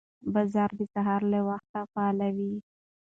بازار د سهار له وخته فعال وي